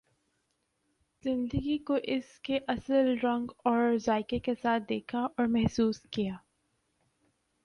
زندگی کو اس کے اصل رنگ اور ذائقہ کے ساتھ دیکھا اور محسوس کیا۔